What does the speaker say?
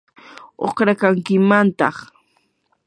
uqrakankimantaq.